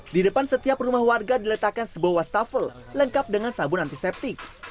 di depan setiap rumah warga diletakkan sebuah wastafel lengkap dengan sabun antiseptik